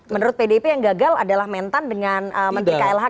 menurut pdip yang gagal adalah mentan dengan menteri klh